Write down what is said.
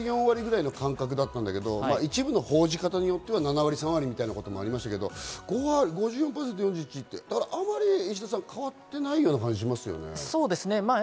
６割、４割くらいの感覚だったんだけど、一部の報じ方によっては、７割、３割みたいなこともありましたけど、５４％、４１％ってあまり変わってないような感じがしますよね。